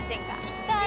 行きたい！